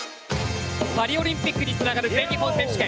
パリオリンピックにつながる全日本選手権。